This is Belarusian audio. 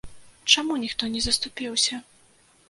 Чаму ніхто не заступіўся?